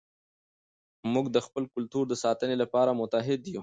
موږ د خپل کلتور د ساتنې لپاره متحد یو.